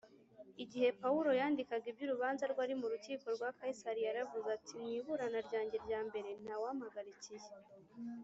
igihe pawulo yandikaga iby’urubanza rwe ari mu rukiko rwa kayisari, yaravuze ati, “mu iburana ryanjye rya mbere nta wampagarikiye,